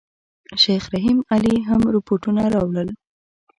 شیخ رحیم علي هم رپوټونه راوړل.